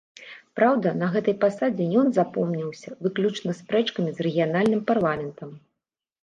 Праўда, на гэтай пасадзе ён запомніўся выключна спрэчкамі з рэгіянальным парламентам.